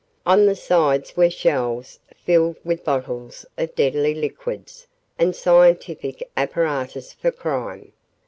On all sides were shelves filled with bottles of deadly liquids and scientific apparatus for crime.